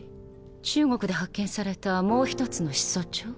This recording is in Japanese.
中国で発見されたもう１つの始祖鳥？